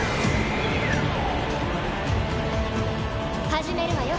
始めるわよ。